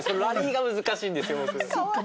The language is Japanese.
そっか。